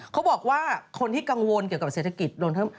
เขาบอกว่าคนที่กังวลเกี่ยวกับเศรษฐกิจ